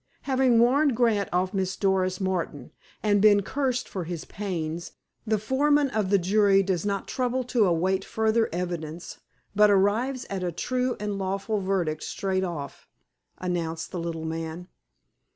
"Having warned Grant off Miss Doris Martin, and been cursed for his pains, the foreman of the jury does not trouble to await further evidence, but arrives at a true and lawful verdict straight off," announced the little man.